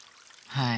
はい。